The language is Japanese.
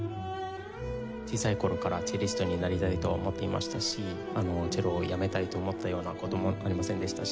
小さい頃からチェリストになりたいと思っていましたしチェロをやめたいと思ったような事もありませんでしたし。